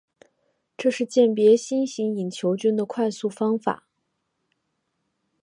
这是鉴别新型隐球菌的快速方法。